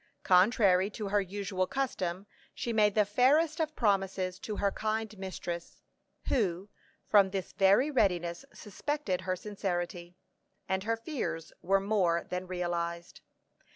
Contrary to her usual custom, she made the fairest of promises to her kind mistress, who, from this very readiness, suspected her sincerity; and her fears were more than realized.